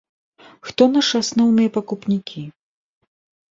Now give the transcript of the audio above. Хто нашы асноўныя пакупнікі?